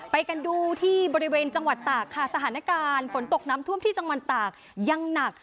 ไปดูกันดูที่บริเวณจังหวัดตากค่ะสถานการณ์ฝนตกน้ำท่วมที่จังหวัดตากยังหนัก